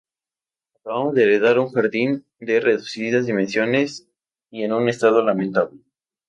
Acabamos de heredar un jardín de reducidas dimensiones y en un estado lamentable.